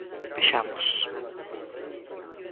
Vexamos.